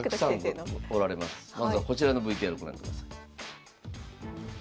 まずはこちらのＶＴＲご覧ください。